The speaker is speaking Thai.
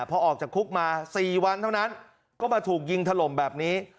พอออกจากคุกมา๔วันเท่านั้นก็มาถูกยิงถล่มแบบนี้